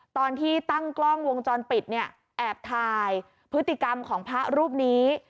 ตอนที่ตั้งกล้องวงจรปิดเนี่ยแอบถ่ายพฤติกรรมของพระรูปนี้